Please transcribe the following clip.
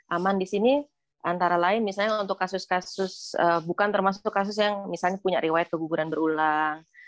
aman di sini antara lain misalnya untuk kasus kasus bukan termasuk kasus yang misalnya punya riwayat keguguran berulang